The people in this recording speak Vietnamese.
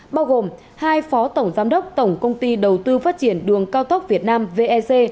bao gồm hai phó tổng giám đốc tổng công ty đầu tư phát triển đường cao tốc việt nam vec